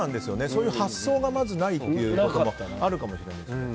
そういう発想がまずないというのもあるかもしれませんね。